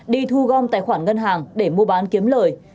đi thu gom tài khoản ngân hàng để mua bán kiếm lời